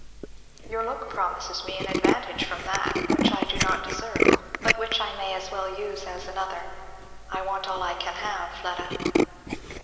"Your look promises me an advantage from that, which I do not deserve, but which I may as well use as another. I want all I can have, Fleda."